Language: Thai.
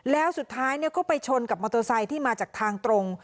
แล้วสุดท้ายก็ไปชนกับมอเตอร์ไซค์ที่มาจากทางตรง